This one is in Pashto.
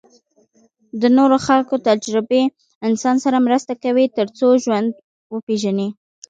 د نورو خلکو تجربې انسان سره مرسته کوي تر څو ژوند وپېژني.